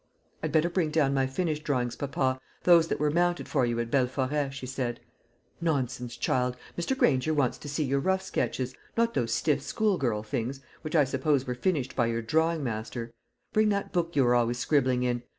"I'd better bring down my finished drawings, papa; those that were mounted for you at Belforêt," she said. "Nonsense, child; Mr. Granger wants to see your rough sketches, not those stiff schoolgirl things, which I suppose were finished by your drawing master. Bring that book you are always scribbling in.